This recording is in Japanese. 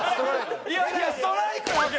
いやいやストライクなわけ。